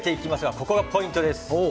ここがポイントです。